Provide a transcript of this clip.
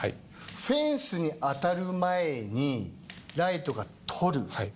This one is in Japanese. フェンスに当たる前にライトがとる。